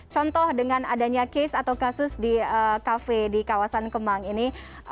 contoh dengan adanya case atau kasus di kafe di kawasan kemang ini